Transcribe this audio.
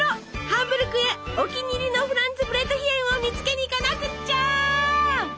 ハンブルクへお気に入りのフランツブレートヒェンを見つけに行かなくっちゃ！